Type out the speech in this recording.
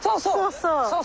そうそう！